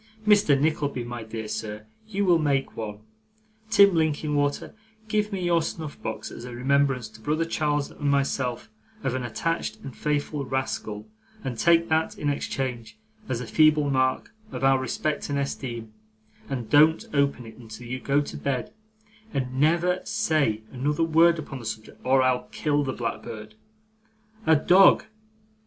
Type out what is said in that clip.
Mr. Nickleby, my dear sir, you will make one. Tim Linkinwater, give me your snuff box as a remembrance to brother Charles and myself of an attached and faithful rascal, and take that, in exchange, as a feeble mark of our respect and esteem, and don't open it until you go to bed, and never say another word upon the subject, or I'll kill the blackbird. A dog!